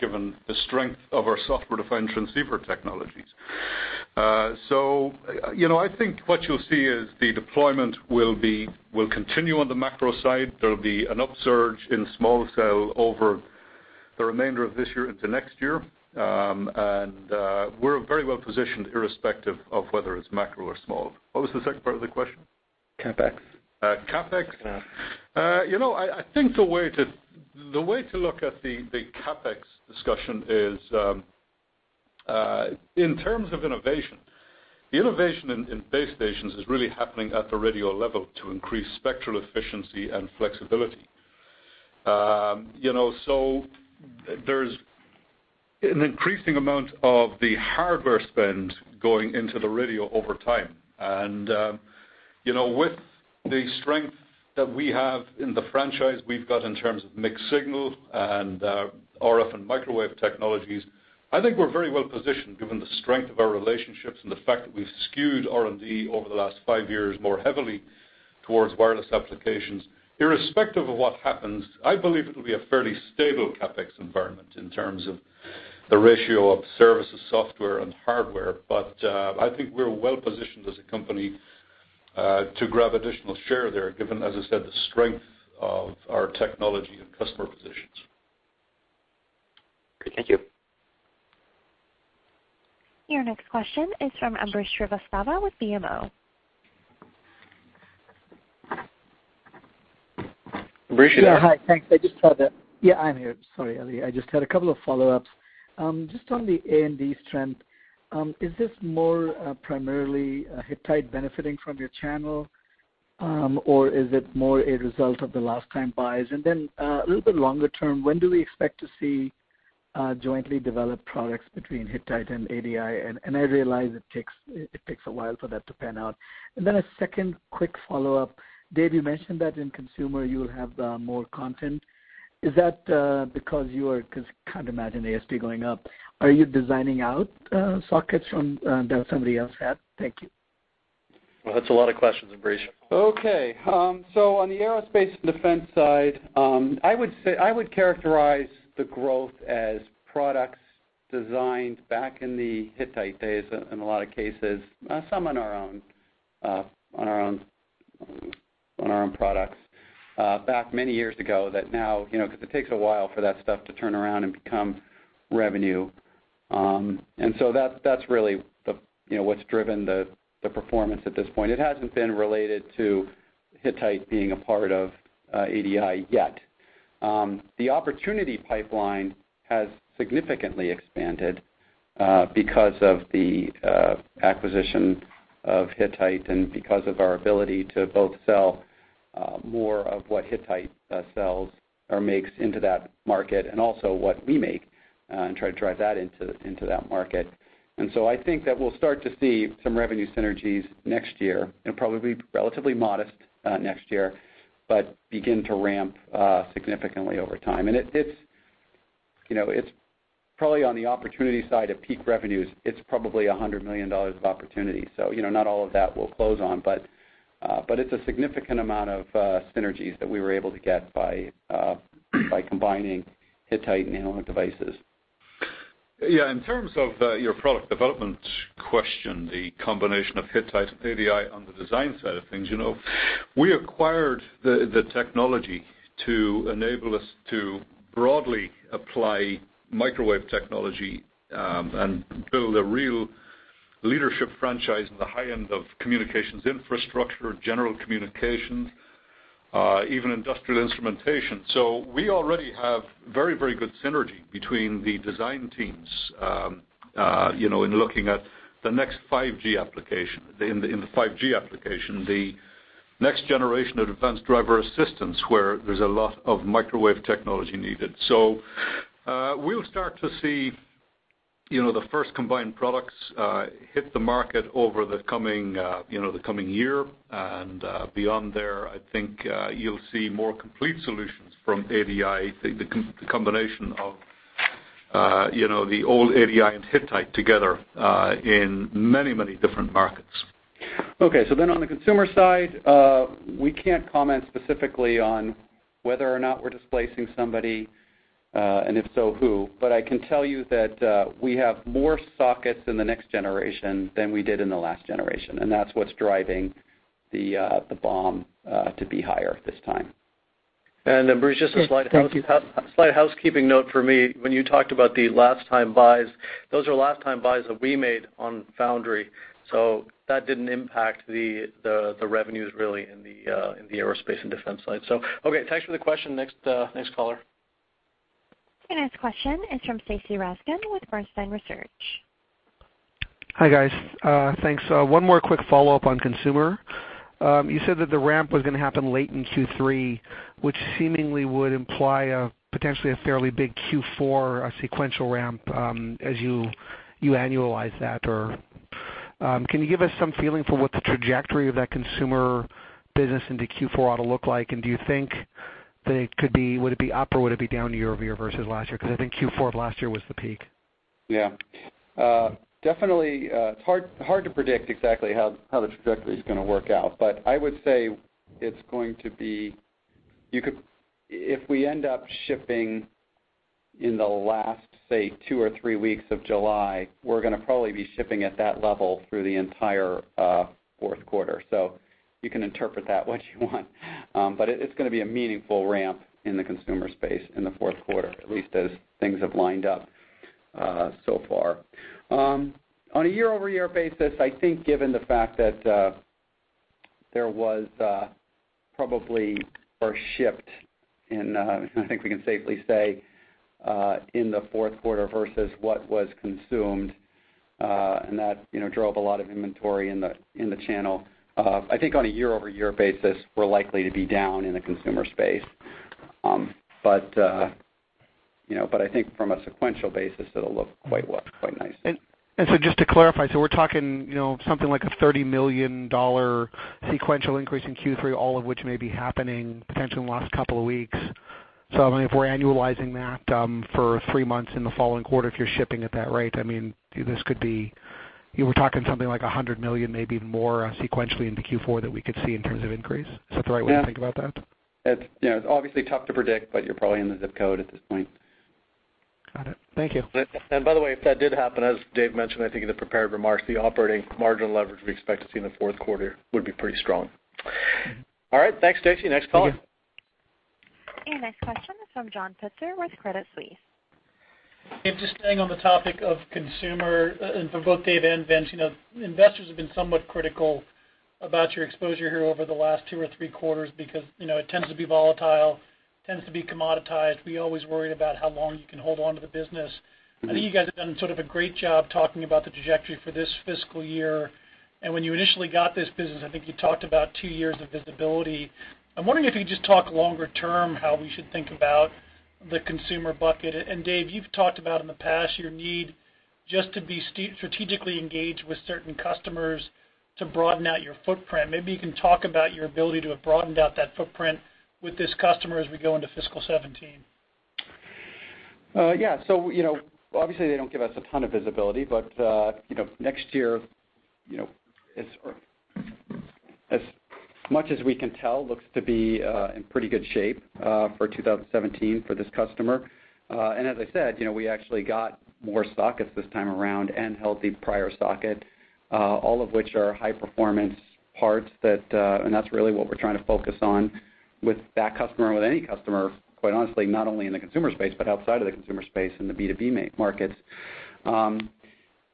given the strength of our software-defined transceiver technologies. I think what you'll see is the deployment will continue on the macro side. There'll be an upsurge in small cell over the remainder of this year into next year. We're very well positioned irrespective of whether it's macro or small. What was the second part of the question? CapEx. CapEx? Yeah. I think the way to look at the CapEx discussion is, in terms of innovation. Innovation in base stations is really happening at the radio level to increase spectral efficiency and flexibility. There's an increasing amount of the hardware spend going into the radio over time. With the strength that we have in the franchise we've got in terms of mixed signal and RF and microwave technologies, I think we're very well positioned given the strength of our relationships and the fact that we've skewed R&D over the last five years more heavily towards wireless applications. Irrespective of what happens, I believe it'll be a fairly stable CapEx environment in terms of the ratio of services, software, and hardware. I think we're well positioned as a company to grab additional share there, given, as I said, the strength of our technology and customer positions. Great. Thank you. Your next question is from Ambrish Srivastava with BMO. Ambrish, yeah. Hi. Thanks. I'm here. Sorry, Ali. I just had a couple of follow-ups. Just on the A&D strength, is this more primarily Hittite benefiting from your channel? Or is it more a result of the last-time buys? A little bit longer term, when do we expect to see jointly developed products between Hittite and ADI? I realize it takes a while for that to pan out. A second quick follow-up. Dave, you mentioned that in consumer, you'll have more content. Is that because I can't imagine ASP going up. Are you designing out sockets that somebody else had? Thank you. Well, that's a lot of questions, Ambrish. Okay. On the aerospace and defense side, I would characterize the growth as products designed back in the Hittite days, in a lot of cases, some on our own products, back many years ago, because it takes a while for that stuff to turn around and become revenue. That's really what's driven the performance at this point. It hasn't been related to Hittite being a part of ADI yet. The opportunity pipeline has significantly expanded because of the acquisition of Hittite and because of our ability to both sell more of what Hittite sells or makes into that market and also what we make and try to drive that into that market. I think that we'll start to see some revenue synergies next year, and probably be relatively modest next year, but begin to ramp significantly over time. It's probably on the opportunity side of peak revenues. It's probably $100 million of opportunity. Not all of that will close on, but it's a significant amount of synergies that we were able to get by combining Hittite and Analog Devices. Yeah, in terms of your product development question, the combination of Hittite and ADI on the design side of things. We acquired the technology to enable us to broadly apply microwave technology and build a real leadership franchise in the high end of communications infrastructure, general communications, even industrial instrumentation. We already have very good synergy between the design teams in looking at the next 5G application, in the 5G application, the next generation of advanced driver assistance, where there's a lot of microwave technology needed. We'll start to see the first combined products hit the market over the coming year. Beyond there, I think you'll see more complete solutions from ADI, the combination of the old ADI and Hittite together in many, many different markets. Okay. On the consumer side, we can't comment specifically on whether or not we're displacing somebody, and if so, who. I can tell you that we have more sockets in the next generation than we did in the last generation, and that's what's driving the BOM to be higher this time. Bruce, just a slight- Yes, thank you. Slight housekeeping note from me. When you talked about the last time buys, those are last time buys that we made on foundry. That didn't impact the revenues really in the aerospace and defense side. Okay. Thanks for the question. Next caller. The next question is from Stacy Rasgon with Bernstein Research. Hi, guys. Thanks. One more quick follow-up on consumer. You said that the ramp was going to happen late in Q3, which seemingly would imply potentially a fairly big Q4 sequential ramp, as you annualize that, or can you give us some feeling for what the trajectory of that consumer business into Q4 ought to look like? Do you think that it would be up or would it be down year-over-year versus last year? Because I think Q4 of last year was the peak. Yeah. Definitely, it's hard to predict exactly how the trajectory's going to work out, but I would say if we end up shipping in the last, say, two or three weeks of July, we're going to probably be shipping at that level through the entire fourth quarter. You can interpret that what you want, but it's going to be a meaningful ramp in the consumer space in the fourth quarter, at least as things have lined up so far. On a year-over-year basis, I think given the fact that there was probably over-shipped in, I think we can safely say, in the fourth quarter versus what was consumed, and that drove a lot of inventory in the channel. I think on a year-over-year basis, we're likely to be down in the consumer space. I think from a sequential basis, it'll look quite well, quite nice. Just to clarify, We're talking something like a $30 million sequential increase in Q3, all of which may be happening potentially in the last couple of weeks. I mean, if we're annualizing that for three months in the following quarter, if you're shipping at that rate, I mean, this could be you were talking something like $100 million, maybe more sequentially into Q4 that we could see in terms of increase. Is that the right way to think about that? Yeah. It's obviously tough to predict, but you're probably in the zip code at this point. Got it. Thank you. By the way, if that did happen, as Dave mentioned, I think in the prepared remarks, the operating margin leverage we expect to see in the fourth quarter would be pretty strong. All right. Thanks, Stacy. Next caller. Next question is from John Pitzer with Credit Suisse. Dave, just staying on the topic of consumer, for both Dave and Vince. Investors have been somewhat critical about your exposure here over the last two or three quarters because it tends to be volatile, tends to be commoditized. We always worry about how long you can hold onto the business. I think you guys have done sort of a great job talking about the trajectory for this fiscal year. When you initially got this business, I think you talked about two years of visibility. I'm wondering if you could just talk longer term, how we should think about the consumer bucket. Dave, you've talked about in the past your need just to be strategically engaged with certain customers to broaden out your footprint. Maybe you can talk about your ability to have broadened out that footprint with this customer as we go into fiscal 2017. Yeah. Obviously they don't give us a ton of visibility, but next year, as much as we can tell, looks to be in pretty good shape for 2017 for this customer. As I said, we actually got more sockets this time around and held the prior socket, all of which are high-performance parts, and that's really what we're trying to focus on with that customer or with any customer, quite honestly, not only in the consumer space, but outside of the consumer space in the B2B markets.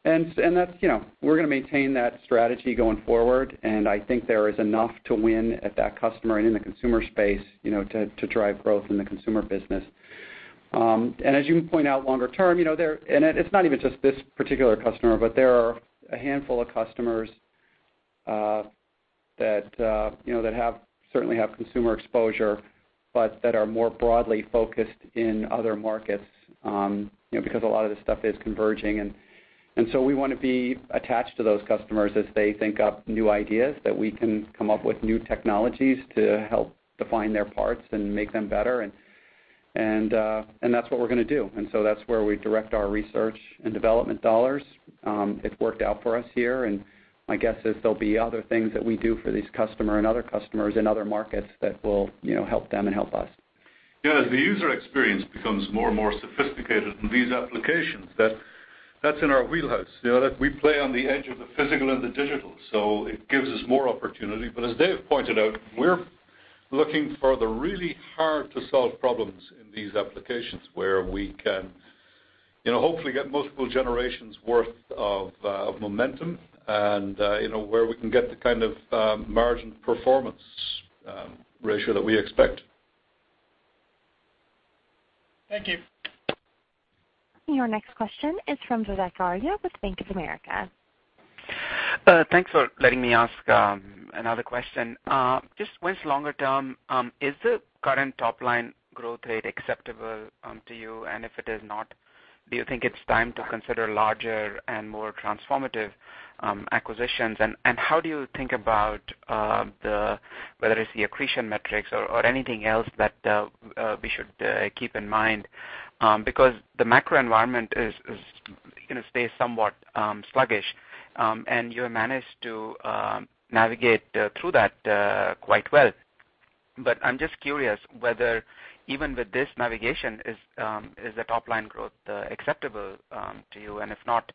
We're going to maintain that strategy going forward, and I think there is enough to win at that customer and in the consumer space to drive growth in the consumer business. As you point out longer term, and it's not even just this particular customer, but there are a handful of customers that certainly have consumer exposure, but that are more broadly focused in other markets, because a lot of this stuff is converging. We want to be attached to those customers as they think up new ideas that we can come up with new technologies to help define their parts and make them better and that's what we're going to do. That's where we direct our research and development dollars. It's worked out for us here, and my guess is there'll be other things that we do for this customer and other customers in other markets that will help them and help us. Yeah, as the user experience becomes more and more sophisticated in these applications, that's in our wheelhouse. We play on the edge of the physical and the digital, so it gives us more opportunity. As Dave pointed out, we're looking for the really hard-to-solve problems in these applications where we can hopefully get multiple generations worth of momentum and where we can get the kind of margin performance ratio that we expect. Thank you. Your next question is from Vivek Arya with Bank of America. Thanks for letting me ask another question. Just once longer term, is the current top-line growth rate acceptable to you? If it is not, do you think it's time to consider larger and more transformative acquisitions? How do you think about whether it's the accretion metrics or anything else that we should keep in mind? The macro environment is going to stay somewhat sluggish, and you have managed to navigate through that quite well. I'm just curious whether even with this navigation, is the top-line growth acceptable to you? If not,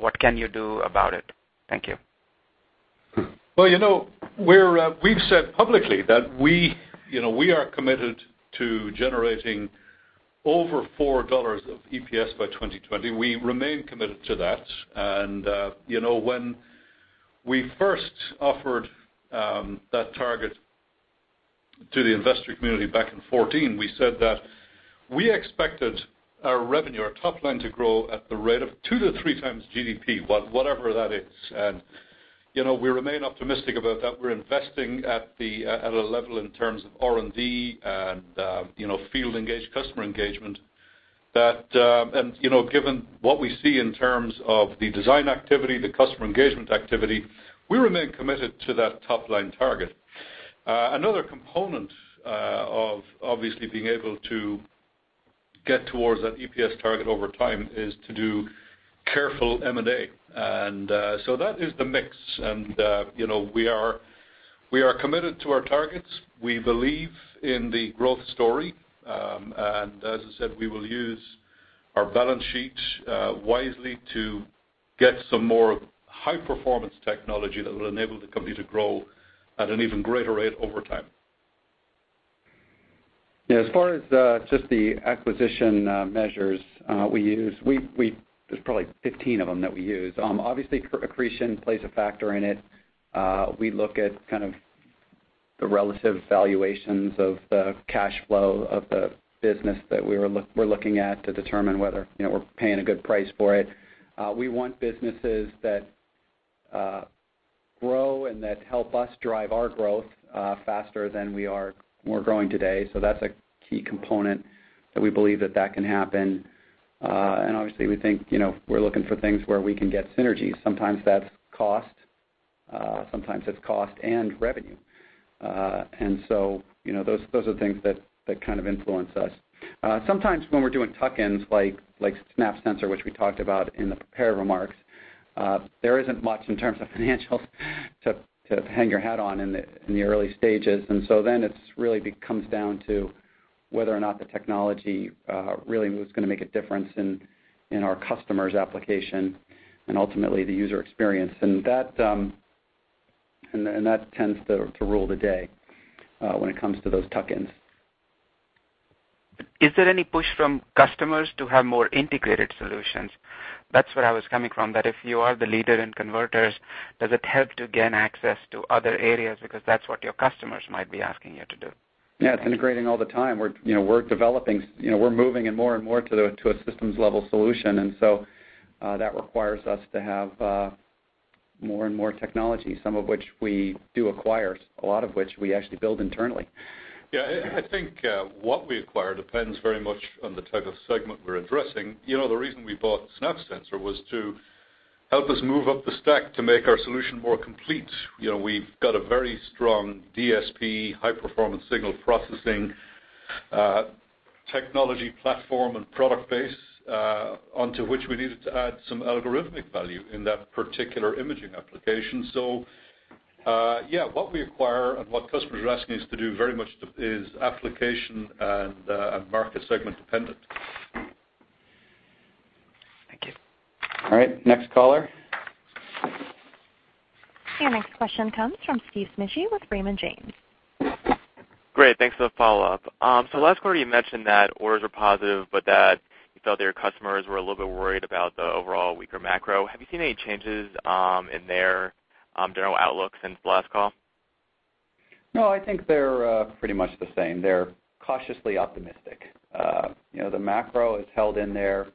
what can you do about it? Thank you. Well, we've said publicly that we are committed to generating over $4 of EPS by 2020. We remain committed to that. When we first offered that target to the investor community back in 2014, we said that we expected our revenue, our top line, to grow at the rate of two to three times GDP, whatever that is. We remain optimistic about that. We're investing at a level in terms of R&D and field customer engagement. Given what we see in terms of the design activity, the customer engagement activity, we remain committed to that top-line target. Another component of obviously being able to get towards that EPS target over time is to do careful M&A. That is the mix, and we are committed to our targets. We believe in the growth story. As I said, we will use our balance sheet wisely to get some more high-performance technology that will enable the company to grow at an even greater rate over time. Yeah. As far as just the acquisition measures we use, there's probably 15 of them that we use. Obviously, accretion plays a factor in it. We look at kind of the relative valuations of the cash flow of the business that we're looking at to determine whether we're paying a good price for it. We want businesses that grow and that help us drive our growth faster than we're growing today. That's a key component that we believe that can happen. Obviously, we think we're looking for things where we can get synergies. Sometimes that's cost. Sometimes it's cost and revenue. Those are things that kind of influence us. Sometimes when we're doing tuck-ins like SNAP Sensor, which we talked about in the prepared remarks, there isn't much in terms of financials to hang your hat on in the early stages. Then it really comes down to whether or not the technology really was going to make a difference in our customer's application and ultimately the user experience. That tends to rule the day when it comes to those tuck-ins. Is there any push from customers to have more integrated solutions? That's where I was coming from, that if you are the leader in converters, does it help to gain access to other areas because that's what your customers might be asking you to do? Yeah, it's integrating all the time. We're moving more and more to a systems-level solution, and so that requires us to have more and more technology, some of which we do acquire, a lot of which we actually build internally. Yeah, I think what we acquire depends very much on the type of segment we're addressing. The reason we bought SNAP Sensor was to help us move up the stack to make our solution more complete. We've got a very strong DSP, high-performance signal processing technology platform, and product base onto which we needed to add some algorithmic value in that particular imaging application. Yeah, what we acquire and what customers are asking us to do very much is application and market segment dependent. Thank you. All right, next caller. Your next question comes from Steve Smigie with Raymond James. Great, thanks for the follow-up. Last quarter, you mentioned that orders were positive, but that you felt your customers were a little bit worried about the overall weaker macro. Have you seen any changes in their general outlook since the last call? No, I think they're pretty much the same. They're cautiously optimistic. The macro has held in there.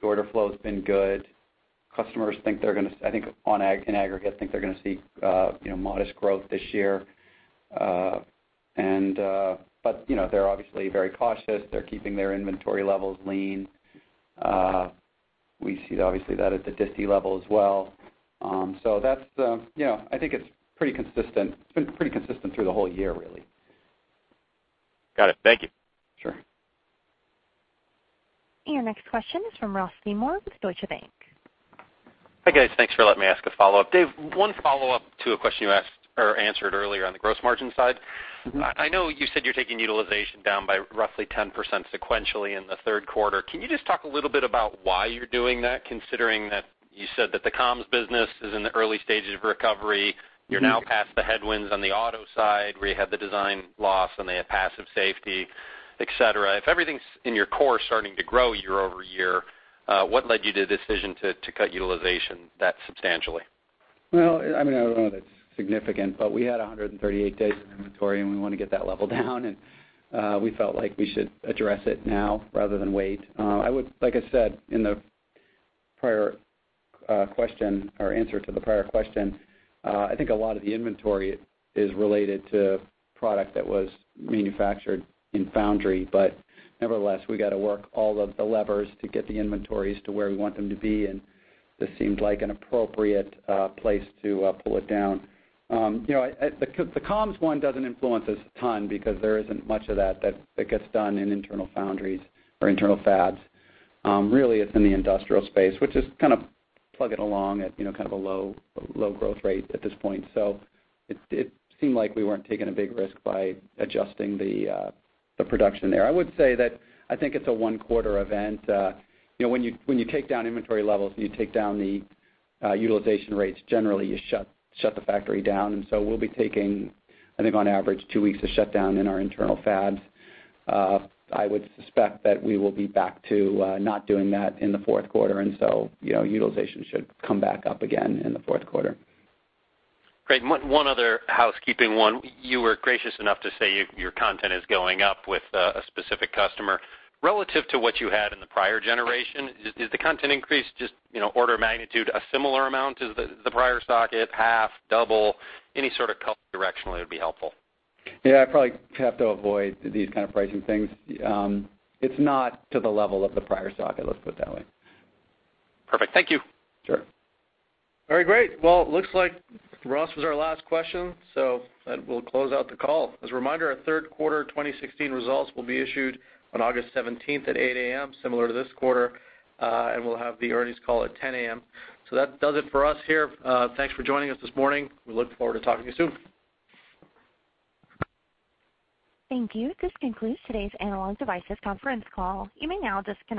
The order flow's been good. Customers, I think in aggregate, think they're going to see modest growth this year. They're obviously very cautious. They're keeping their inventory levels lean. We see obviously that at the distie level as well. I think it's pretty consistent. It's been pretty consistent through the whole year, really. Got it. Thank you. Sure. Your next question is from Ross Seymore with Deutsche Bank. Hi, guys. Thanks for letting me ask a follow-up. Dave, one follow-up to a question you answered earlier on the gross margin side. I know you said you're taking utilization down by roughly 10% sequentially in the third quarter. Can you just talk a little bit about why you're doing that, considering that you said that the comms business is in the early stages of recovery, you're now past the headwinds on the auto side where you had the design loss, and they have passive safety, et cetera. If everything in your core is starting to grow year-over-year, what led you to the decision to cut utilization that substantially? Well, I don't know if it's significant, but we had 138 days of inventory, and we want to get that level down, and we felt like we should address it now rather than wait. Like I said in the answer to the prior question, I think a lot of the inventory is related to product that was manufactured in foundry, but nevertheless, we got to work all of the levers to get the inventories to where we want them to be, and this seemed like an appropriate place to pull it down. The comms one doesn't influence us a ton because there isn't much of that that gets done in internal foundries or internal fabs. Really, it's in the industrial space, which is kind of plugging along at kind of a low growth rate at this point. It seemed like we weren't taking a big risk by adjusting the production there. I would say that I think it's a one-quarter event. When you take down inventory levels and you take down the utilization rates, generally, you shut the factory down, and so we'll be taking, I think, on average, two weeks of shutdown in our internal fabs. I would suspect that we will be back to not doing that in the fourth quarter, and so utilization should come back up again in the fourth quarter. Great. One other housekeeping one. You were gracious enough to say your content is going up with a specific customer. Relative to what you had in the prior generation, is the content increase just order of magnitude a similar amount as the prior socket, half, double? Any sort of color directionally would be helpful. I probably have to avoid these kind of pricing things. It's not to the level of the prior socket, let's put it that way. Perfect. Thank you. Sure. Very great. Well, it looks like Ross was our last question. We'll close out the call. As a reminder, our third quarter 2016 results will be issued on August 17th at 8:00 A.M., similar to this quarter. We'll have the earnings call at 10:00 A.M. That does it for us here. Thanks for joining us this morning. We look forward to talking to you soon. Thank you. This concludes today's Analog Devices conference call. You may now disconnect.